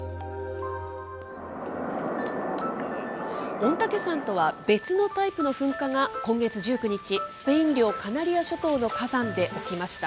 御嶽山とは別のタイプの噴火が、今月１９日、スペイン領カナリア諸島の火山で起きました。